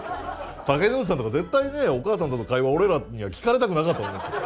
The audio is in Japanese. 竹野内さんとか絶対ねお母さんとの会話俺らには聞かれたくなかったと思うんですよ。